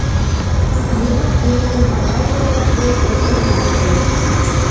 Нуно кумытын пашазе-влак дек эркын ошкылыт.